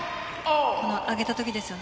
上げたときですよね。